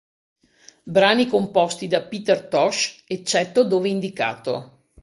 Brani composti da Peter Tosh, eccetto dove indicato.